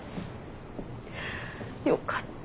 よかった。